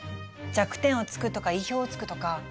弱点をつくとか意表をつくとか。